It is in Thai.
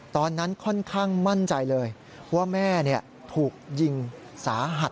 ตอนนั้นค่อนข้างมั่นใจเลยว่าแม่ถูกยิงสาหัส